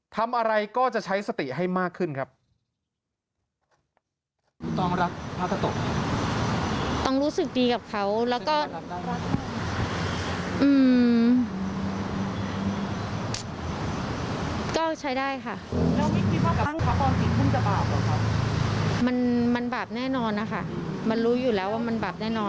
ทำอะไรก็จะใช้สติให้มากขึ้นครับ